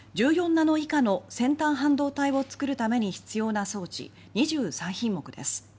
ナノ以下の先端半導体を作るために必要な装置２３品目です。